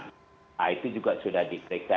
nah itu juga sudah diperiksa